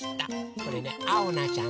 これねあおなちゃんとあ